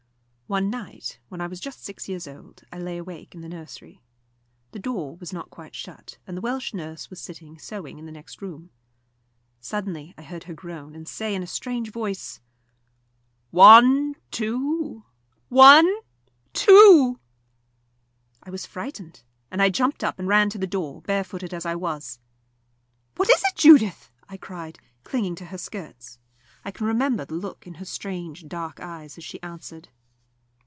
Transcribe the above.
One night, when I was just six years old, I lay awake in the nursery. The door was not quite shut, and the Welsh nurse was sitting sewing in the next room. Suddenly I heard her groan, and say in a strange voice. "One two one two!" I was frightened, and I jumped up and ran to the door, barefooted as I was. "What is it, Judith?" I cried, clinging to her skirts. I can remember the look in her strange dark eyes as she answered.